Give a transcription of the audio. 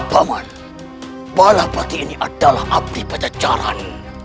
paman balapati ini adalah abdi pecah jalan